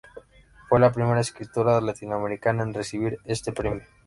Fue la primera escritora latinoamericana en recibir este premio.